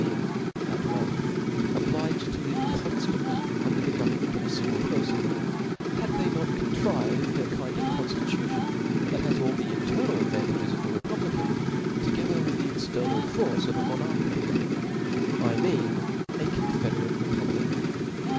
een, at length, obliged to live conftandy us . dc*r the government of a fingle perfon, had they not contrived a kind of coniiicution that has all the internal advantages of a republican, 'together with the external force of a monarchical, govern ment, I mean a confederate republic.